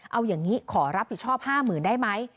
เอาอย่างนี้ขอรับผิดชอบ๕๐๐๐ได้ไหม